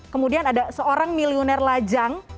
kemudian ada seorang milioner lajang